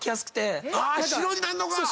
白になんのか！